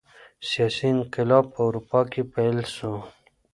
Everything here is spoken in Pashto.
سیاسي انقلابونه په اروپا کي پیل سول.